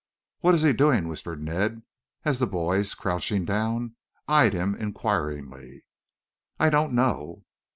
"What is he doing?" whispered Ned as the boys, crouching down, eyed him inquiringly. "I don't know."